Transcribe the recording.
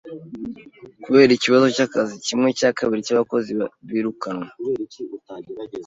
Kubera ikibazo cy'akazi, kimwe cya kabiri cy'abakozi birukanwe.